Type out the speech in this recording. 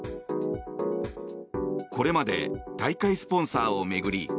これまで大会スポンサーを巡り